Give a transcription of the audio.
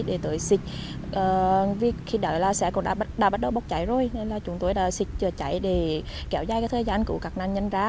để tới xịt vì khi đó là xe cũng đã bắt đầu bốc cháy rồi nên là chúng tôi đã xịt chữa cháy để kéo dài thời gian cứu các nạn nhân ra